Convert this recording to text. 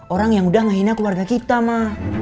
orang yang udah ngehina keluarga kita mah